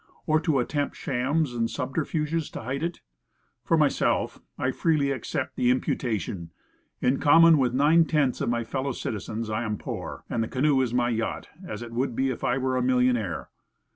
Or to attempt shams and subterfuges to hide it? For myself, I freely accept the imputation. In common with nine tenths of my fellow citizens I am poor and the canoe is my yacht, as it would be were I a millionaire.